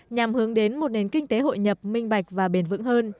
nhằm hướng đến một nền kinh tế hội nhập minh bạch và bền vững hơn